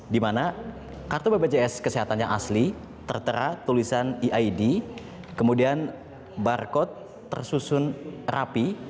di mana kartu bpjs kesehatan yang asli tertera tulisan eid kemudian barcode tersusun rapi